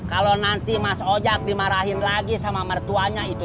kalau nanti mas ojak dimarahin lagi sama mertuanya itu